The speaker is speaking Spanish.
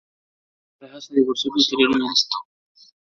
La pareja se divorció posteriormente.